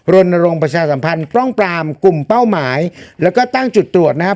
รณรงค์ประชาสัมพันธ์ป้องปรามกลุ่มเป้าหมายแล้วก็ตั้งจุดตรวจนะครับ